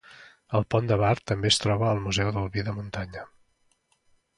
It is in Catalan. Al Pont de Bar també es troba el Museu del vi de muntanya.